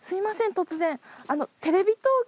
突然。